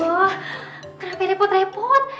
ya allah kenapa ini repot repot